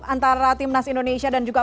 antara timnas indonesia dan juga